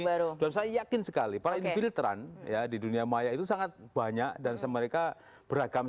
baru baru saya yakin sekali para infiltran ya di dunia maya itu sangat banyak dan semerka beragam